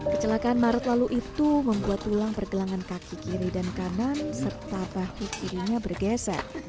kecelakaan maret lalu itu membuat tulang pergelangan kaki kiri dan kanan serta bahu kirinya bergeser